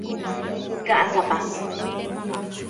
Ka'asapa.